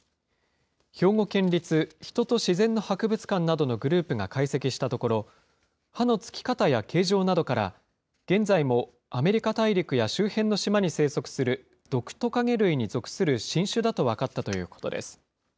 兵庫県立ひととしぜんのはくぶつかんなどのグループが解析したところ、歯のつき方や形状などから、現在もアメリカ大陸や周辺の島に生息するドクトカゲ類に属する新種だと分かったということです。